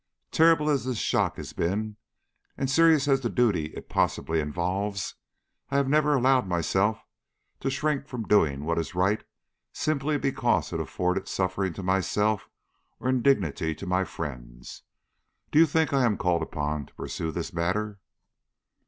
Terrible as this shock has been, and serious as is the duty it possibly involves, I have never allowed myself to shrink from doing what was right simply because it afforded suffering to myself or indignity to my friends. Do you think I am called upon to pursue this matter?"